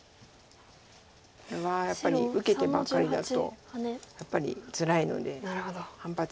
これはやっぱり受けてばっかりだとやっぱりつらいので反発していきました。